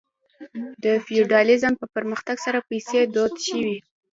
د فیوډالیزم په پرمختګ سره پیسې دود شوې.